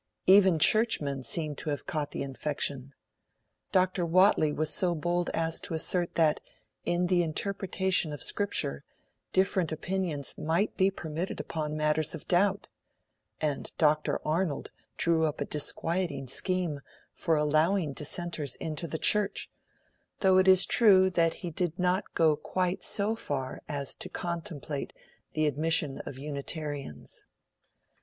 Even Churchmen seemed to have caught the infection. Dr. Whately was so bold as to assert that, in the interpretation of Scripture, different opinions might be permitted upon matters of doubt; and, Dr. Arnold drew up a disquieting scheme for allowing Dissenters into the Church, though it is true that he did not go quite so far as to contemplate the admission of Unitarians.